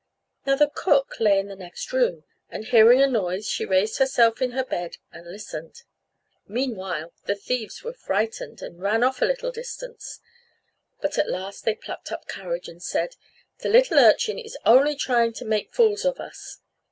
Now the cook lay in the next room, and hearing a noise she raised herself in her bed and listened. Meanwhile the thieves were frightened, and ran off to a little distance; but at last they plucked up courage, and said, "The little urchin is only trying to make fools of us."